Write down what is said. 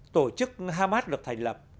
tổ chức hamas được thành lập